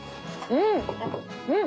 うん！